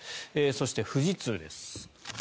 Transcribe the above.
そして、富士通です。